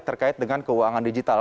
terkait dengan keuangan digital